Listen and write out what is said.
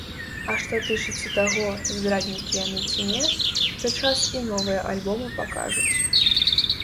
А што тычыцца таго, здраднікі яны ці не, то час і новыя альбомы пакажуць.